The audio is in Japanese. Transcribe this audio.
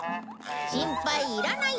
心配いらない。